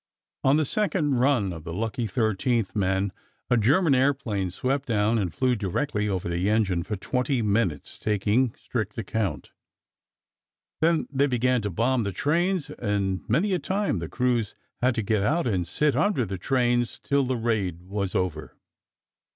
On the second run of the "Lucky 13th" men, a German airplane swept down and flew directly over the engine for twenty minutes, taking strict account. Then they began to bomb the trains, and many a time the crews had to get out and sit under the trains till the raid was over.